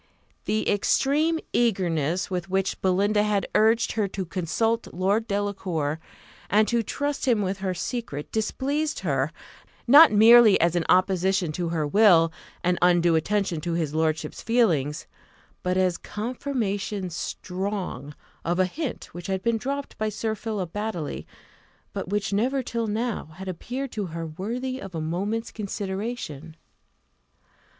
The extreme eagerness with which Belinda had urged her to consult Lord Delacour, and to trust him with her secret, displeased her; not merely as an opposition to her will, and undue attention to his lordship's feelings, but as "confirmation strong" of a hint which had been dropped by Sir Philip Baddely, but which never till now had appeared to her worthy of a moment's consideration.